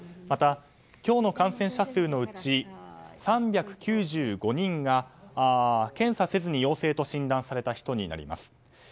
また、今日の感染者数のうち３９５人が検査せずに陽性と診断された人になります。